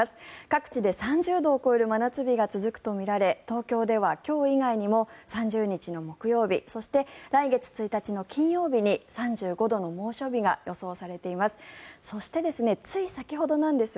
各地で３０度を超える真夏日が続くとみられ東京では今日以外にも３０日の木曜日そして、来月１日の金曜日に３５度の猛暑日が予想されています。